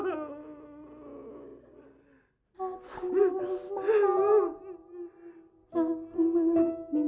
bapak udah selesai